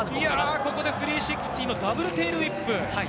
ここで３６０のダブルテールウィップ！